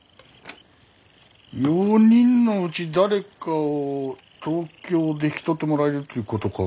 ４人のうち誰かを東京で引き取ってもらえるっちゅうことか。